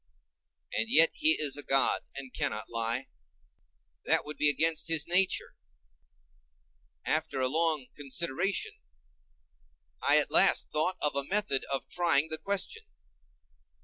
And yet he is a god and cannot lie; that would be against his nature. After a long consideration, I at last thought of a method of trying the question.